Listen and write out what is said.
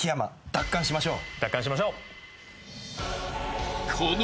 奪還しましょう。